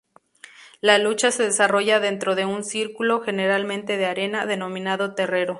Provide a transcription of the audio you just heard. La lucha se desarrolla dentro de un círculo, generalmente de arena, denominado terrero.